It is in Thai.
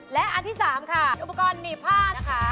และอันที่๓ค่ะอุปกรณ์หนีผ้านะคะ